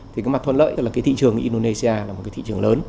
thì cái mặt thuận lợi tức là cái thị trường indonesia là một cái thị trường lớn